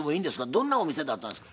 どんなお店だったんですか？